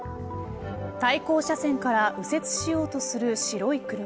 対向車線から右折しようとする白い車。